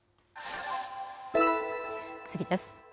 次です。